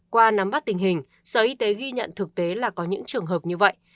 qua nắm bắt tình hình sở y tế ghi nhận thực tế là có những trường hợp như vậy